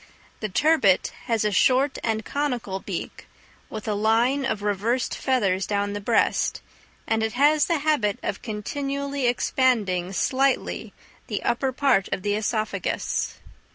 The turbit has a short and conical beak, with a line of reversed feathers down the breast; and it has the habit of continually expanding, slightly, the upper part of the œsophagus.